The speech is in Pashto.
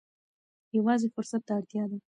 یوازې فرصت ته اړتیا ده.